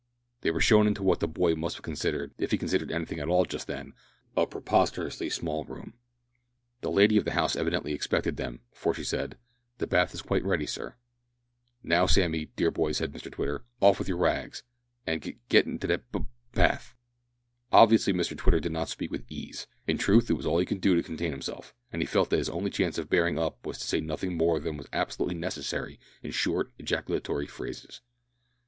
They were shown into what the boy must have considered if he considered anything at all just then a preposterously small room. The lady of the house evidently expected them, for she said, "The bath is quite ready, sir." "Now, Sammy, dear boy," said Mr Twitter, "off with your rags and g git into that b bath." Obviously Mr Twitter did not speak with ease. In truth it was all he could do to contain himself, and he felt that his only chance of bearing up was to say nothing more than was absolutely necessary in short ejaculatory phrases.